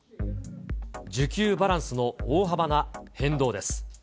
需給バランスの大幅な変動です。